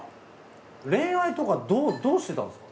恋愛とかどうしてたんですか？